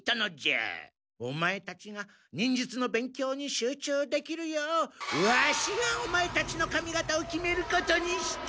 オマエたちが忍術の勉強に集中できるようワシがオマエたちの髪型を決めることにした！